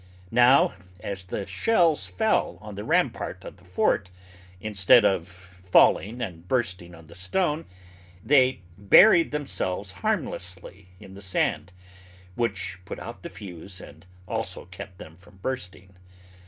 Now as the shells fell on the rampart of the fort instead of falling and bursting on the stone, they buried themselves harmlessly in the sand, which put out the fuse and also kept them from bursting.